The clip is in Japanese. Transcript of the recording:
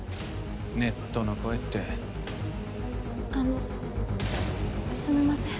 ネットの声ってあのすみません